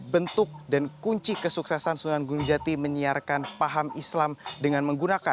bentuk dan kunci kesuksesan sunan gunung jati menyiarkan paham islam dengan menggunakan